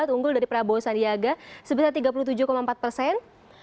unggul dari prabowo sandiaga sebesar tiga puluh tujuh empat persen